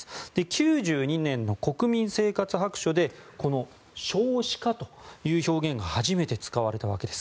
９２年の国民生活白書で少子化という表現が初めて使われたわけです。